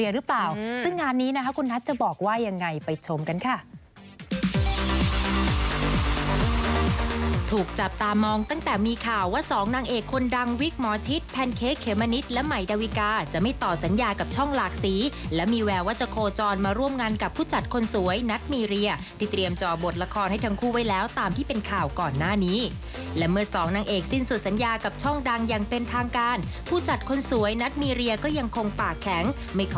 หลังจากที่คนดังวิกหมอชิตแพนเค้กเหมมะนิดและไหมดาวิกาจะไม่ต่อสัญญากับช่องหลากสีและมีแววว่าจะโคจรมาร่วมงานกับผู้จัดคนสวยนัทมีเรียที่เตรียมจอบทละครให้ทั้งคู่ไว้แล้วตามที่เป็นข่าวก่อนหน้านี้และเมื่อสองนางเอกสิ้นสุดสัญญากับช่องดังยังเป็นทางการผู้จัดคนสวยนัทมีเรียก็ยังคงปากแข็ง